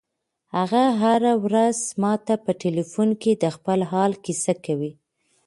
هغه هره ورځ ماته په ټیلیفون کې د خپل حال کیسه کوي.